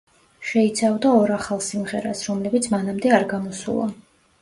შეიცავდა ორ ახალ სიმღერას, რომლებიც მანამდე არ გამოსულა.